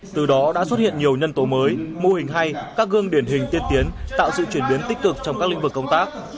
từ đó đã xuất hiện nhiều nhân tố mới mô hình hay các gương điển hình tiên tiến tạo sự chuyển biến tích cực trong các lĩnh vực công tác